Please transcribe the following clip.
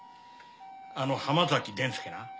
あの浜崎伝助な。